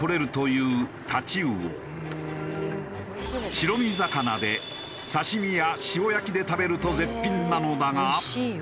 白身魚で刺身や塩焼きで食べると絶品なのだが。